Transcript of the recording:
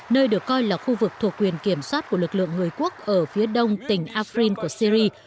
nơi được coi là khu vực thuộc quyền kiểm soát của lực lượng người quốc ở phía đông tỉnh afrin của syri